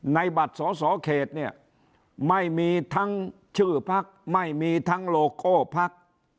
บัตรสอสอเขตเนี่ยไม่มีทั้งชื่อพักไม่มีทั้งโลโก้พัก